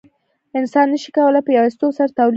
انسان نشي کولای په یوازیتوب سره تولید وکړي.